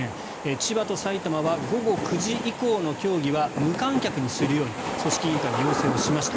千葉と埼玉は午後９時以降の競技は無観客にするように組織委員会に要請しました。